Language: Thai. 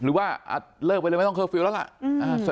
หรือว่าเลิกไปเลยไม่ต้องเคอร์ฟิลล์แล้วล่ะ